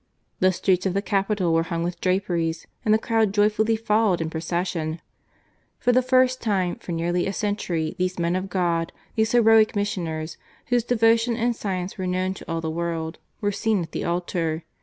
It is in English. The streets of the capital were hung with draperies and the crowd joyfully followed in the procession. For the first time for nearly a century these men of God, these heroic missioners, whose devotion and science were known to all the world, were seen at the altar.